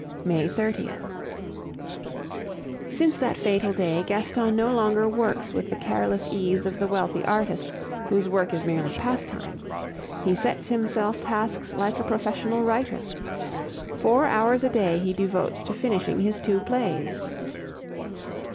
May 30th. Since that fatal day Gaston no longer works with the careless ease of the wealthy artist, whose work is merely pastime; he sets himself tasks like a professional writer. Four hours a day he devotes to finishing his two plays.